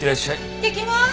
いってきます。